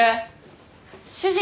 主人。